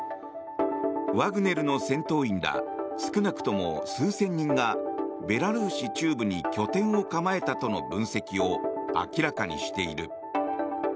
ワグネルの戦闘員ら少なくとも数千人がベラルーシ中部に拠点を構えたとの分析を明らかにしている。